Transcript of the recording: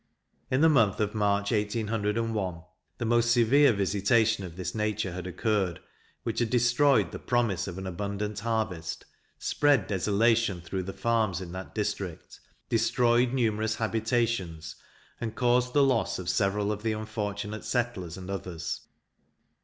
In the month of March, 1801, the most severe visitation of this nature had occurred, which had destroyed the promise of an abundant harvest, spread desolation through the farms in that district, destroyed numerous habitations, and caused the loss of several of the unfortunate settlers and others.